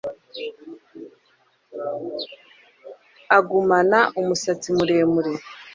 Agumana umusatsi muremure